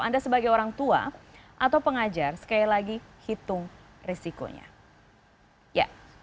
anda sebagai orang tua atau pengajar sekali lagi hitung risikonya